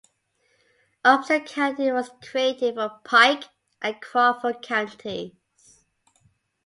Upson County was created from Pike and Crawford counties.